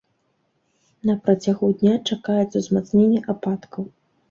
На працягу дня чакаецца ўзмацненне ападкаў.